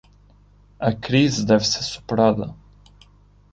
A crise deve ser superada